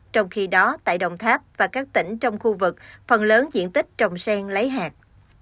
trong khi đó tại đồng tháp và các tỉnh trong khu vực phần lớn diện tích trồng sen lấy hạt